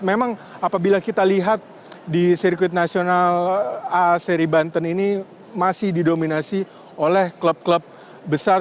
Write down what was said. memang apabila kita lihat di sirkuit nasional a seri banten ini masih didominasi oleh klub klub besar